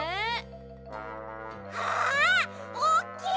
あおっきい！